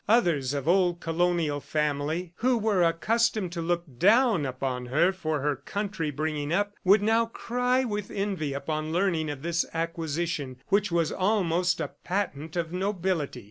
Others, of old colonial family, who were accustomed to look down upon her for her country bringing up, would now cry with envy upon learning of this acquisition which was almost a patent of nobility.